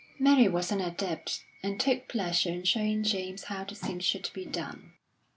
Mary was an adept, and took pleasure in showing James how the thing should be done.